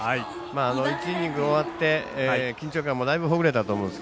１イニング終わって緊張感もだいぶほぐれたと思います。